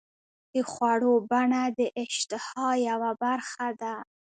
د خوړو بڼه د اشتها یوه برخه ده.